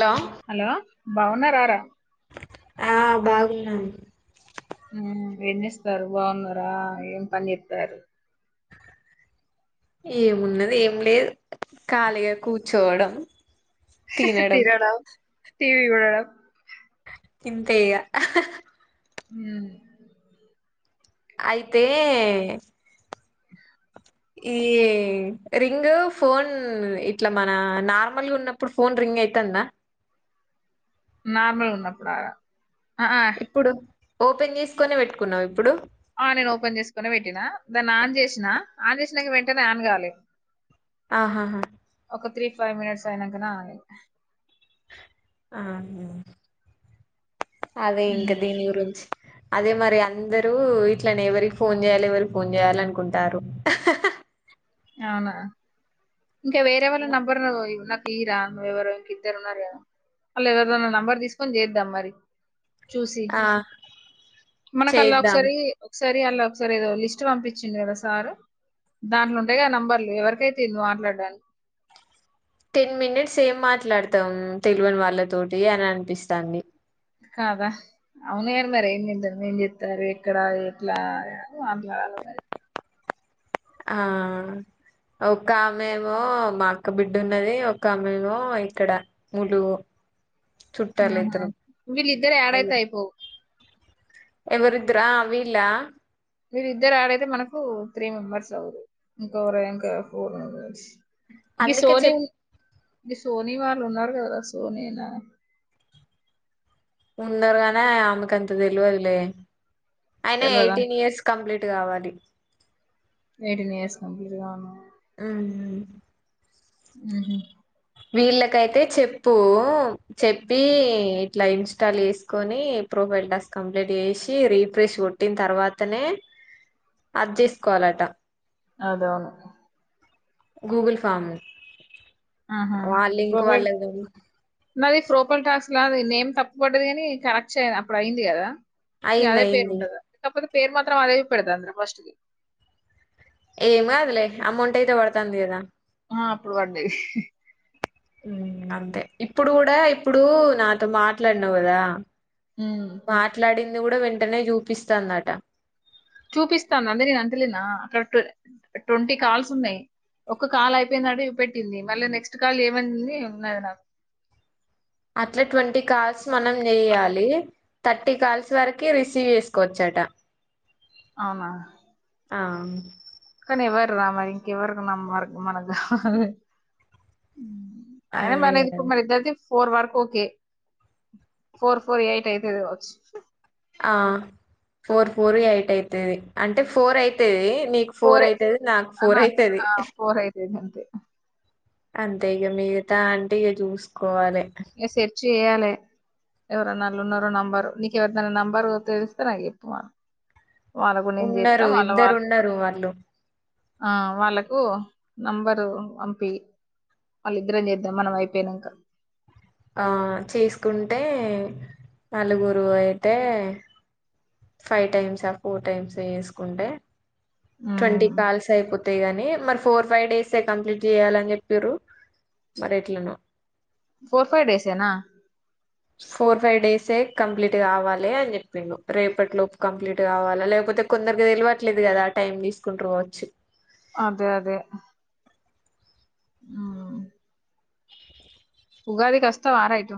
Hello hello బాగున్నారారా ఆ బాగున్నాం ఉ ఎన్నిస్తారు బాగున్నారా ఏం పని చేస్తారు ఏమున్నది ఏం లేదు కాళీగ కూర్చోవడం తినడం టీవి చూడడం ఇంతే ఇగ ఉమ్ అయితే ఈ రింగ్ ఫోన్ ఇట్లా మన నార్మల్ గా ఉన్నప్పుడు ఫోన్ రింగ్ గేతన్న నార్మల్ గా ఉన్నప్పుడా ఆ ఇప్పుడు ఓపెన్ చేసుకోని పెట్టుకున్నావా ఇప్పుడు ఆ నేన్ ఓపెన్ చేసుకుని పెట్టినా దాన్ని ఆన్ చేసినా ఆన్ చేసినాకా వెంటనే ఆన్ కాలే ఆహ హ త్రీ ఫైవ్ మినిట్స్ అయినాకనే ఆన్ అయి ఆహ అదే ఇంకా ఉమ్, దీని గురించి అదే మరి అందరూ ఇట్లనే ఎవరికి ఫోన్ చేయాలి ఎవరి ఫోన్ చేయాలి అనుకుంటారు అవునా ఇంకా వేరేవాళ్ళ నంబర్ నువ్వు ఈరా ఎవరు ఇంక ఇద్దరు ఉన్నారు కదా వాళ్ళ ఎవరిదైనా నంబర్ తీసుకొని చేద్దాం మరి చూసి ఆ మనకల్లా చేద్దాం ఒకసారి ఒకసా సారి అలా ఒకసారి ఏదో లిస్ట్ పంపించిండు కదా సార్ దాట్లో ఉంటాయిగా నంబర్లు ఎవరికైతే ఎం వెళ్దాం టెన్ మినిట్స్ ఏం మాట్లాడతాం తెలివని వాళ్ళ తోటి అని అనిపిస్తాంది కాదా అవునుగని మరి ఏంత ఎం చెప్తారు ఎక్కడ ఎట్లా అని మాట్లా ఆ ఒక ఆమె ఏమో మాఅక్క బిడ్డ ఉన్నది ఒక ఆమెమో ఇక్కడ ములుగు చుట్టాలు ఇద్దరు ఉహు విళ్ళిందరు ఆడైతే అయిపోవ్ ఎవరు ఇద్దరూ అ వీళ్ళ వీళ్ళు ఇద్దరు ఆడ్ అయితే మనకు త్రీ మెంబర్స్ అవదు ఇంక ఎవరు ఇంకా ఫోర్ మెంబర్స్ గీ అందుకే సోని చెప్ ఉఈ సోనీ వాళ్ళు ఉన్నారు కదార సోని నా ఉన్నారుగాని ఆమెకు అంత తెలవదిలే అయిన తెలియదా ఎయిటీన్ ఇయర్స్ కంప్లీట్ కావాలి ఎయిటీన్ ఇయర్స్ కంప్లీట్ గాను ఉమ్ ఉహు వీళ్ళకైతే చెప్పు చెప్పి ఇట్లా ఇంస్టాల్ చేసుకొని ప్రో ప్రొఫైల్ టాస్క్ కంప్లీట్ చేసి రీఫ్రెష్ కొట్టిన తర్వాతనే అది చేసుకోవాలట అదే అవును గూగుల్ ఫామ్ ఆహా. వాలింక్ ప్రొఫైల్ వాళ్ళకు పం నాది ఫ్రోఫైల్ టాస్క్ లా నేం తప్పుబడ్డది కాని కరెక్షన్ అప్పుడు అయింది కదా ఇ అయింది అదే పేరు అయింది ఉంటదా కాకపోతే పేరు మాత్రం అదే చూపేడాతంది ఫస్ట్ ది ఏం కాదులే అమౌంట్ అయితే పడుతోంది కదా ఆ అప్పుడు పడ్డాయి హ్మ్ అంతే ఇప్పుడు కూడా ఇప్పుడు నాతో మాట్లాడినావు కదా ఉమ్ మాట్లాడింది కూడా వెంటనే చూపిస్తాదట చూపిస్తాంది అదే నేను అంటలేనా అక్కడ ట్వంటీ కాల్స్ ఉన్నాయి ఒక కాల్ అయిపోయినట్టు చుపెట్టింది మళ్ళీ నెక్స్ట్ కాల్ ఏమంది ఉన్నది నాకు అట్లా ట్వంటీ కాల్స్ మనం చేయాలి థర్టీ కాల్స్ వరకు రిసీవ్ చేసుకోవచ్చ అం ట అవునా ఆ కాని ఎవరు రా మరి ఇంకెవరు నెంబర్ మనకు కావాలి అయిన మనది అదే ఇప్పుడు మరి ఇద్దరిది ఫోర్ వరకు ఓకే ఫోర్ ఫోర్ ఎయిట్ అయితది కావచ్చు ఆ ఫోర్ ఫోర్ ఎయిట్ అయితది అంటే ఫోర్ అయితది నీకు ఫోర్ అయితది నాకు ఫోర్ అయితది అ [unintelligible] అంతే ఇక మిగతా అంటే ఇక చూసుకోవాలి చెయ్యాలె ఎవరనా వెళ్లి ఉన్నరో నంబరు నీకెవరిదైనా నెంబరు తెలిస్తే నాకు చెప్పు ఉమా వాళ్ళకు నేను చేస్తా ఉన్నరు వాళ్ళ ఇద్దరు వాళ్ళ ఉన్నరు వాళ్ళు ఆ వాళ్ళకు నంబరు పంపి వాళ్ళిద్దరం చేద్దాం మనం అయిపోయినాంక ఆ చేసుకుంటే నలుగురు అయితే ఫైవ్ టైమ్సా ఫోర్ టైమ్స్ చేసుకుంటే ట్వంటీ మ్మ్ కాల్స్ అయిపోతయి అ గాని మరి ఫోర్ ఫైవ్ డేస్ే కంప్లీట్ చేయాలని చెప్పిరు మరి ఎట్లనో ఫోర్ ఫైవ్ డేసే నా ఫోర్ ఫైవ్ డేసే కంప్లీట్ కావాలి అని చెప్పిండు రేపటి లోపు కంప్లీట్ కావాలి లేకపోతే అయితే కొందరికి తెలివట్లేదు కదా ఆ టైమ్ తీసుకుంటరు కావచ్చు అదే అదే ఆ ఉగాదికి వాస్తవారా ఇటు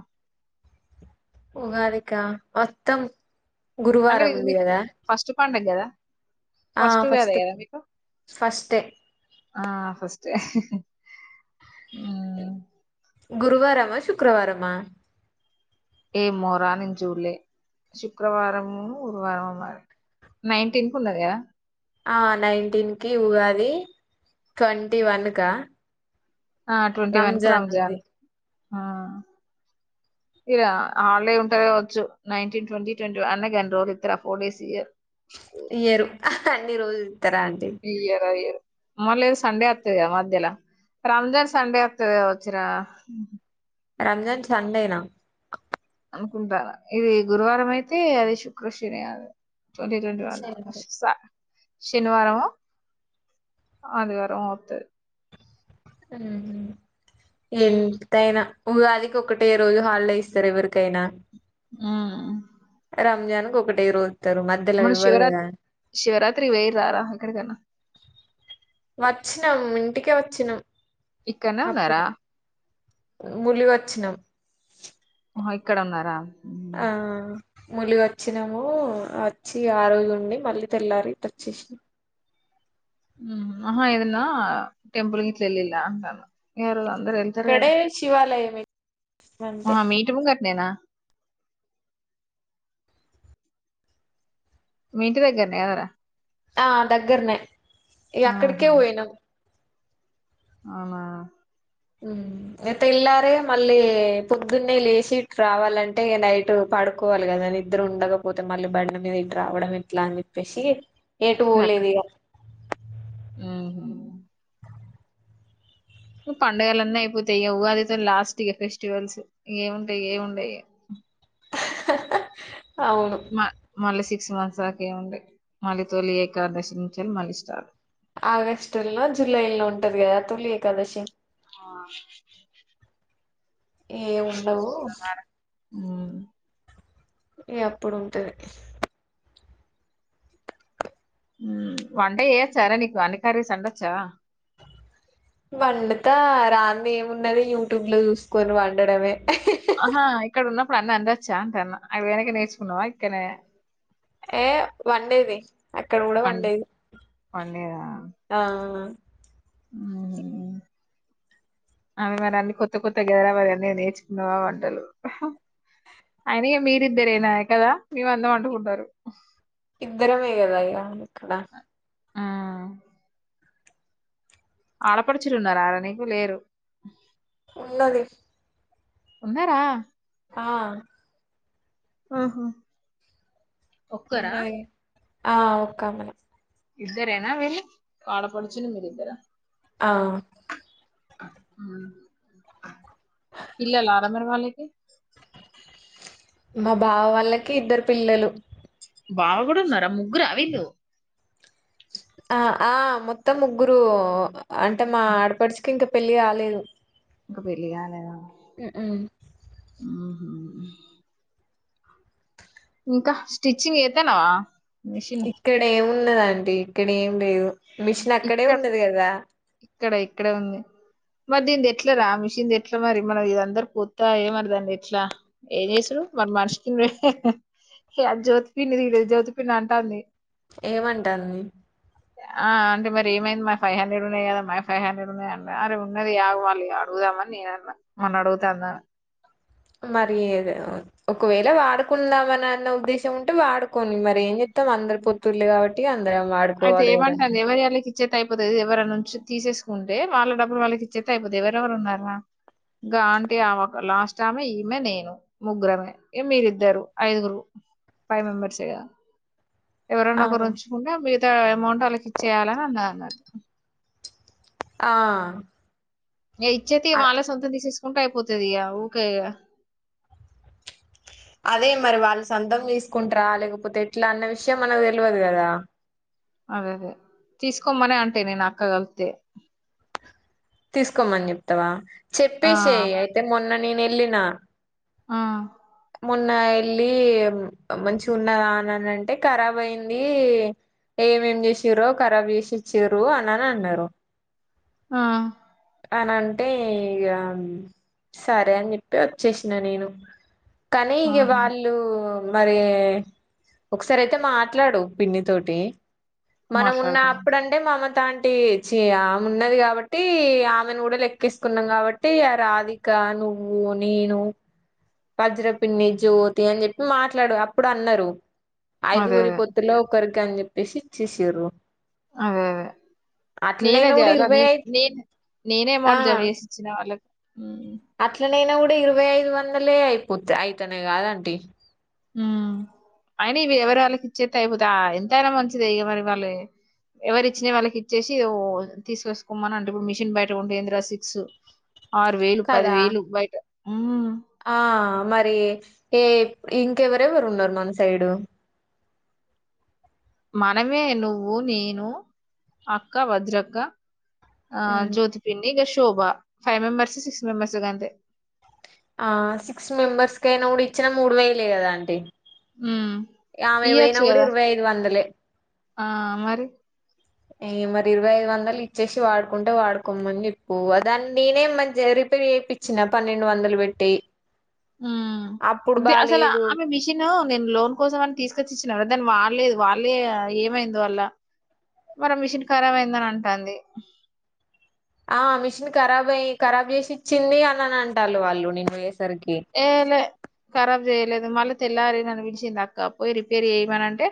ఉగాదికా వస్తం అంటే గురువారం ఇది ఉంది మీ కదా ఫస్ట్ పండగ కదా ఫస్ట్ ఉగాది కదా మీకు ఫస్టే మ్మ్ గురువారమా శుక్రవారమా ఏ మోరా నేను చూడలే శుక్రవారమో గురువారమో మరి నైన్టీన్ కు ఉన్నది కదా ఆ నైన్టీన్ కి ఉగాది ట్వంటీ వన్ కా ఆ ట్వంటీ వన్ కు రంజాన్ ఆ ఇగ హాలిడే ఉంటది కావచ్చు నైన్టీన్ ట్వంటీ ట్వంటీ వన్ అయినా గన్ని రోజులు ఇస్తారా ఫోర్ డేస్ ఇయ్యరు ఇయ్యరు అన్ని రోజులు ఇస్తారా అండి ఇయ్యరు అది మళ్ళ సండే అత్తది కదా మద్యలా రంజాన్ సండే వత్తది కావచ్చురా రంజాన్ సండేనా ఇది గురువారం అయితే అది శుక్ర శని అది ట్వంటీ ట్వంటీ వన్ శనివారం వస్తా శని వారమో ఆదివారమో వత్తది ఎంతైనా ఉగాదికి ఒకటే రోజు హాలిడే ఇస్తారు ఎవరికైనా ఆ రంజాన్ కి ఒకటే రోజు శివరాత్రి వేరు రా ఎక్కడ అయినా వచ్చినం ఇంటికే వచ్చినం ఇక్కన్నే ఉన్నరా ములుగు వచ్చినం ఇక్కడ ఉన్నారా ఆ ఉమ్ ములుగు వచ్చినాము వచ్చి ఆ రోజు ఉండి మళ్ళీ తెల్లారి ఇటు వచ్చినం ఆహా ఏదన్నా టెంపుల్ కి గిట్ల ఎల్లిళ్ల అంటన్న ఇక్కడే శివాలయం ఆ అంతే మీ ఇంటి ముంగట నేనా మింటి తగ తారా ఆ దగ్గరనే ఇ అక్కడికే ఆహా! పోయినాం అవునా ఇగ తేల్లారే మళ్ళీ పొద్దున్నే లేసి రావాలంటే ఇగ నైటు పడుకోవాలి కదా నిద్ర ఉండకపోతే మళ్ళీ బండి మీద ఇటు రావడం ఎట్లా అని చెప్పేసి ఏటు పోలేదు ఇగ హుహు. పండుగలన్నీ అయిపోతాయి ఉగాదితో లాస్ట్ ఇగ ఫెస్టివల్స్ ఏముంటాయి ఏముండయ్ అవును మా మలిసి సిక్స్ మంత్స్ దాకా ఏమీ ఉండదు మళ్ళీ తొలి ఏకాదశి నుంచెలి మళ్ళీ స్టార్ట్ ఆగస్టు లో జులై లో ఉంటది కదా తొలి ఏకాదశి ఆ ఏమీ ఉండవు ఆ ఇగ అప్పుడు ఉంటది వంటే ఏచ్చారా నీకు వెనకార సండొచ్చా వడుత రాని ఏమున్నది యూట్యూబ్ లో చూసుకొని వండడమే ఆహా ఇక్కడ ఉన్నప్పుడు అన్న అందొచ్చా అంటా అన్న అవి వెనక నేర్చుకున్నావా ఇక్కనే ఏ వండేది అక్కడ కూడా వం వండేది ఆ అ అవి మరి అన్ని కొత్త కొత్త గదరాా మరి అన్నిీ నేర్చుకున్నావా వంటలు అయిన మీరిద్దరేనా కదా మేమ అందం అంటుకుంటారు ఇద్దరం ఏగదా ఇక్కడ ఆ ఆలపడుచులున్నారు ఆడ నకు లేరు ఉన్నది ఉన్నారా ఆ ఆహా ఒక్కరా ఉన్నది ఆ ఒకా అ మన ఇద్దరేనా వెళ్ళి ఆడపడుచును మీరిద్దర ఆ ఇల్లలారమర వాాలకి మా బావ వాళ్ళకి ఇద్దరు పిల్లలు బాగా కూడా ఉన్నారా ముగ్గురు అవి ను్ ఆ ఆ మొత్తం ముగ్గురు అంటే మా ఆడపడుచుకి ఇంకా పెళ్ళి కాలేదు ఇకా పెలి కాల ఉ ఉమ్ ఇంకా స్టిచ్చింగ్ అయితేనావా ఇక్కడ ఏమిన్నదంటీ ఇక్కడ ఏం లేదు మిషన్ అక్కడే ఉన్నది కదా ఇక్కడ ఇక్కడ ఉంది మరి దీని ఎట్ల రా మిషిన్ ద ఎట్లా మరి మన ఇ అందరుూ పూత ఏమరి దాంన్ని ఎట్లా ఏం చేసారు మన మనిషికి జ్యోతి పండిది జ్యోతి పిండి అంటాంది ఏమంటాన్ని ఆ అ మరి ఏమైంది మరి ఫైవ్ హండ్రెడ్ ఉన్నాయి కదా మ ఫైవ్ హండ్రెడ్ ఉన్నా అన్నారు అరేన్నదిగుళ్ళు అడుగుదామని నే అ మన్న అడుగుతు అందా మరి ఒకవేళ వాడుకుదామని అన్న ఉద్దేశం ఉంటే వాడుకొని మరి ఏం. మొత్తం అందరు పొత్తుళ్లే కాబట్టి అందరం వాడుకోవాలి కదా. వాళ్ళకి ఇచ్చేతే అయిపోతాది ఎవరి నుంచి తీసేసుకుంటే వాళ్ళ డబ్బులు వాళ్ళకి ఇచ్చేతే అయిపోతాది ఎవరెవరు ఉన్నారా. ఇంకా ఆంటీ ఆమె లాస్ట్ ఆమె ఈమె నేను ముగ్గురమే మీరిద్దరు ఐదుగురు. ఫైవ్ మెంబర్స్ గా. ఆ ఎవరన్నా గురించుకుంటే మిగతా అమౌంట్ వాళ్ళకి ఇచ్చేయాలని అన్నా అన్న. ఆ. ఇచ్చేతే వాళ్ళ అ- సొంతం తీసేసుకుంటే అయిపోతాది ఇగ ఊకే. అదే మరి వాళ్ళు సొంతం తీసుకుంటారా లేకపోతే ఎట్లా అన్న విషయం మనకు తెలియదు కదా. అదే అదే తీసుకోమ్మనే అంటే నేను అక్కగలితే. తీసుకోమ్మని చెప్తావా ఆ చెప్పేసే అయితే మొన్న నేను వెళ్ళిన. ఆ. మొన్న వెళ్ళి మంచి ఉన్నదా అని అంటే ఖరాబ్ అయింది. ఏమేమి చేసిరో ఖరాబ్ చేసి ఇచ్చారు అని అన్నారు. ఆ అని అంటే ఇగ సరే అని చెప్పి వచ్చేసిన నేను. కానీ ఆహా వాళ్ళు. మరి ఒకసారి అయితే మాట్లాడు పిన్ని తోటి మనం ఉన్న మాట్లాడతాం అప్పుడంటే మమతాన్ టీ చి ఆమున్నది గాబట్టి ఆమెను గుడ లెక్కేసుకున్నం కాబట్టి ఆ రావికా నువ్వు నేను వజ్ర పిన్ని జ్యోతి అని చెప్పి మాట్లాడు అప్పుడు అన్నరు అదే ఐదుగురి అదే పొత్తులో ఒకరికని చెప్పేషి ఇచ్చేషిర్రు అదే అదే నేనే కూడా జైయాల ఇరవై నే ఐదు నేన్ నేనే ఆ అమౌంట్ జమ చేసిచ్చిన వాళ్ళకు అట్లనైనా గుడా ఇరవై ఐదు వందలే అయిపోత్ అయితానే గాద్ ఆంటీ హ్మ్ అయిన ఇవి ఎవరి వాళ్ళకిచ్చేత్తే అయిపోతా ఎంతైనా మంచిదే ఇద మరి వాళ్ళే ఎవరి ఇచ్చినయ్ వాళ్ళకిచ్చేసి ఓ తీసేసుకోమనంటే ఇప్పుడు మిషిన్ బయట కొంటే ఎందరా సిక్స్. ఆరు వేలు కదా పదివేలు బయట హ్మ్ ఇంక ఎవరెవరు ఉన్నారు మన సైడు మనమే నువ్వు నేను అక్క వజ్రక్క ఆ ఉమ్, జ్యోతి పిన్ని ఇగ Shobha five members six members గా అంతే ఆ సిక్స్ మెంబర్స్ కైనా గుడా ఇచ్చినా మూడు వేలే కదా ఆంటీ ఉమ్ ఆమెయి పొయినా ఇయ్యొచ్చు గుడా కదా ఇరవై ఐదు వందలే ఆ మరి మరి ఇరవై ఐదు వందలు ఇచ్చేషి వాడుకుంటే వాడుకోమని చెప్పు అ దాన్ని నేనే మంచి. రిపేర్ చేపిచ్చిన పన్నెండు వందలు పెట్టి అప్పుడు హ్మ్ అసలు బాలేదు ఆమె మిషిన్ నేను లోన్ కోసం అని తీసుకు ఇచ్చినవ దాని వాళ్ళేదు వాళ్ళే ఏమైంది వాళ్ళ మరా మిషిన్ ఖరాబ్ అయిందని అంటాది ఆ మిషిన్ ఖరాబ్ అయి ఖరాబ్ చేసి ఇచ్చింది అని అని అంటాళు వాళ్ళు నిను ఏ లే ఖరాబ్ చేయలేదు మళ్ళీ తెల్లారిందని అనిపించింది అక్క పోయి రిపేర్ చేయమనంటే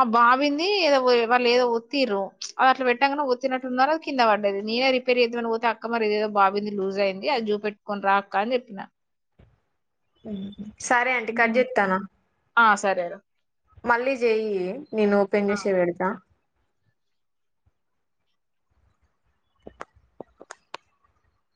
ఆ బావింది ఏదో వాళ్ళు ఏదో ఒత్తిరు అది అట్లా పెట్టంగనే ఒత్తినట్టున్నారు అది కింద బడ్డది. రిపేర్ చేద్దమని పోతే అక్క మరి ఏదో బావింది లూజ్ అయింది అది జూ పెట్టుకొని రా అక్క అని చెప్పినా. సరే ఆంటీ కట్ ఉమ్. చేత్తానా ఆ సరేరా మళ్ళీ జెయ్యి నేను ఓపెన్ చేషే పెడతా